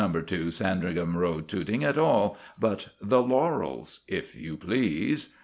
2, Sandringham Road, Tooting, at all; but The Laurels, if you please.